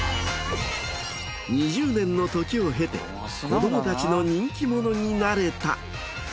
２０年の時を経て子どもたちの人気者になれた。